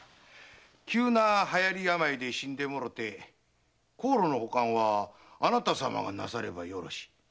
急な流行病で死んでもろて香炉の保管はあなたさまがなさればよろし。